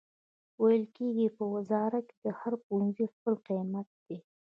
ویل کیږي چې په وزارت کې د هر پوهنځي خپل قیمت دی